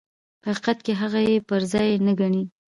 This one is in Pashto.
په حقیقت کې هغه یې پر ځان نه ګڼي.